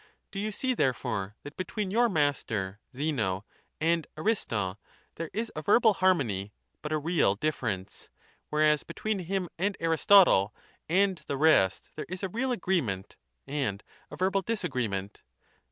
Do you see therefore tliat between your master Zeno and Aristo there is a verbal har mony but a real difference ; whereas between him and Aristotle and the rest there is a real agreement and a verbal disagreement?